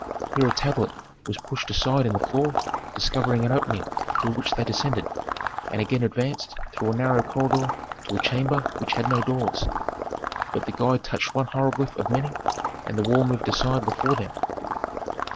Here a tablet was pushed aside in the floor, discovering an opening through which they descended, and again advanced through a narrow corridor to a chamber which had no doors. But the guide touched one hieroglyph of many, and the wall moved aside before them.